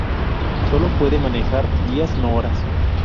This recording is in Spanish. Sólo puede manejar días, no horas.